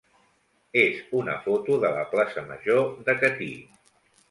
és una foto de la plaça major de Catí.